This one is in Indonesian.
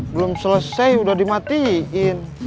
belum selesai udah dimatiin